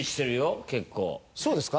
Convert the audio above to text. そうですか？